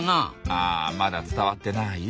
あまだ伝わってない？